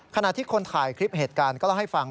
ขณะที่คนถ่ายคลิปเหตุการณ์ก็เล่าให้ฟัง